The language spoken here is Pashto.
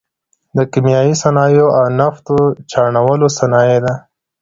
د کیمیاوي صنایعو او نفتو چاڼولو صنایع دي.